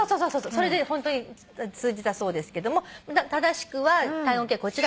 それでホントに通じたそうですけども正しくは体温計はこちら。